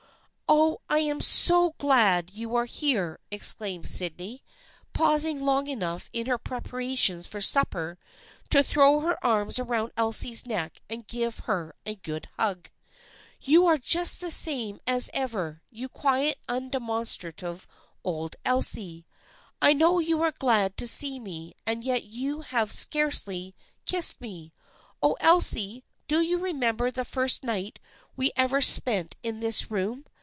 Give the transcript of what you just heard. " Oh, I am so glad you are here !" exclaimed Sydney, pausing long enough in her preparations for supper to throw her arms around Elsie's neck and give her a good hug. " You are just the same as ever, you quiet, undemonstrative old Elsie ! I know you are glad to see me and yet you have scarcely kissed me. Oh, Elsie, do you remember the first night we ever spent in this room